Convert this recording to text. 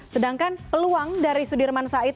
sedangkan peluang dari sudirman said